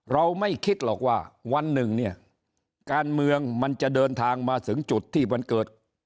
เราไม่คิดหรอกว่าวันหนึ่งเนี่ยการเมืองมันจะเดินทางมาถึงจุดที่มันเกิด